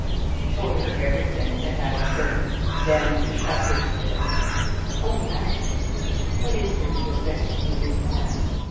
He told her everything that had occurred. Then Visakha said, " O master, what is there to investigate in that?